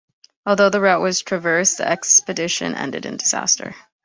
Although the route was traversed, the expedition ended in disaster.